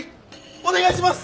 お願いします！